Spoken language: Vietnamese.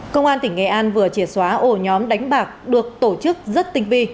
công an tỉnh nghệ an vừa triệt xóa ổ nhóm đánh bạc được tổ chức rất tinh vi